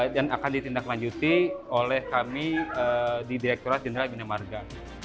dan akan ditindaklanjuti oleh kami di direkturat jenderal binamarga